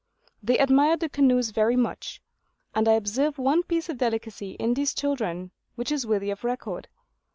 They admired the canoes very much. And I observed one piece of delicacy in these children, which is worthy of record.